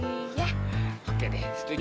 oke deh setuju